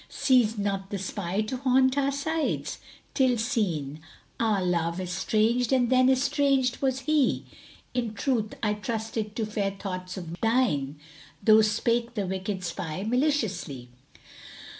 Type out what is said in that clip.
Ceased not the spy to haunt our sides, till seen * Our love estranged and then estranged was he: In truth I trusted to fair thoughts of thine * Though spake the wicked spy maliciously.